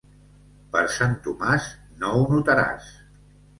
Per Sant Tomàs no ho notaràs.